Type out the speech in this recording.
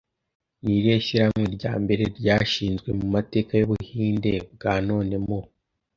Ni irihe shyirahamwe rya mbere ryashinzwe mu mateka y'Ubuhinde bwa none mu